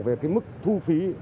về cái mức thu phí